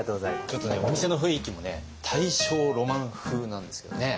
ちょっとねお店の雰囲気もね大正ロマン風なんですけどね。